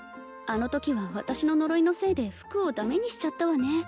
あのときは私の呪いのせいで服をダメにしちゃったわね